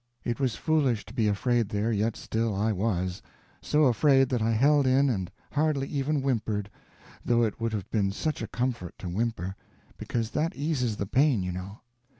It was foolish to be afraid there, yet still I was; so afraid that I held in and hardly even whimpered, though it would have been such a comfort to whimper, because that eases the pain, you know.